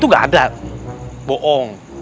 pocong jalannya begini